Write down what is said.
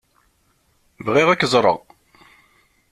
Bɣiɣ ad k-ẓṛeɣ.